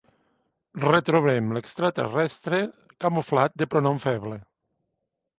Retrobem l'extraterrestre camuflat de pronom feble.